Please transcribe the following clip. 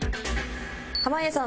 濱家さん